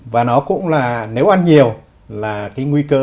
và nó cũng là nếu ăn nhiều là cái nguy cơ